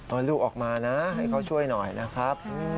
เอาลูกออกมานะให้เขาช่วยหน่อยนะครับ